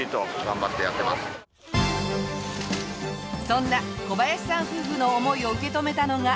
そんな小林さん夫婦の思いを受け止めたのが。